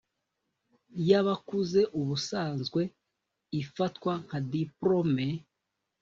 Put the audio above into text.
y abakuze ubusanzwe ifatwa nka diporome